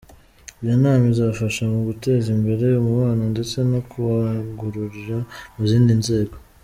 Iyi nama izafasha mu guteza mbere umubano ndetse no kuwagurira mu zindi nzego”.